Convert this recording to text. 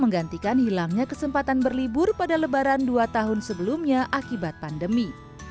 menggantikan hilangnya kesempatan berlibur pada lebaran dua tahun sebelumnya akibat pandemi